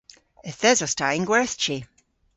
Yth esos ta yn gwerthji.